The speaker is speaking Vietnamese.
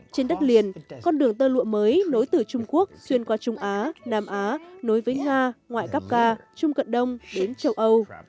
trên đất liền con đường tơ lụa mới nối từ trung quốc xuyên qua trung á nam á nối với nga ngoại cắp ca trung cận đông đến châu âu